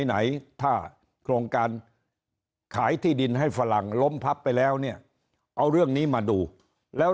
ไหนถ้าโครงการขายที่ดินให้ฝรั่งล้มพับไปแล้วเนี่ยเอาเรื่องนี้มาดูแล้ว